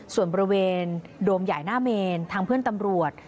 ส่วนบริเวณโดมใหญ่หน้าเมนทางเพื่อนตำรวจ